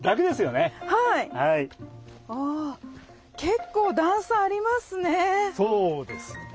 結構段差ありますね。